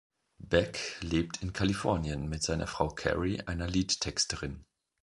Beck lebt in Kalifornien mit seiner Frau Cari, einer Liedtexterin.